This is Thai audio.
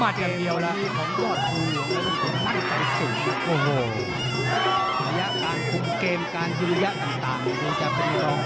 เดี๋ยวมัดกันเดียวแล้ว